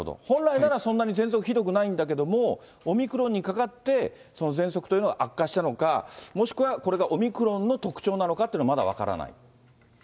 本来なら、そんなにぜんそくひどくないんだけども、オミクロンにかかって、ぜんそくというのが悪化したのか、もしくはこれがオミクロンの特徴なのかっていうのはまだ分からない？